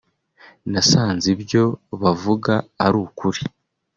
nasanze ibyo bavuga ari ukuri